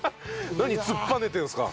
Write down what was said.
何突っぱねてるんですか！